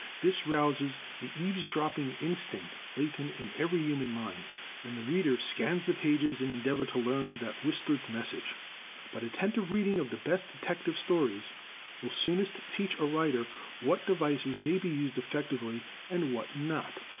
This rouses the eavesdropping instinct latent in every human mind, and the reader scans the pages in endeavor to learn that whispered message. But attentive reading of the best detective stories will soonest teach a writer what devices may be used effectively, and what not.